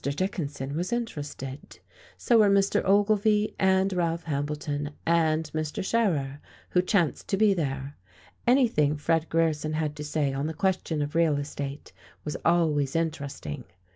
Dickinson was interested. So were Mr. Ogilvy and Ralph Hambleton, and Mr. Scherer, who chanced to be there. Anything Fred Grierson had to say on the question of real estate was always interesting.